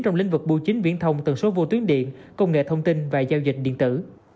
trong lĩnh vực bưu chính viễn thông tần số vô tuyến điện công nghệ thông tin và giao dịch điện tử